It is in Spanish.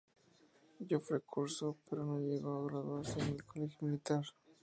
Yofre cursó, pero no llegó a graduarse en el Colegio Militar.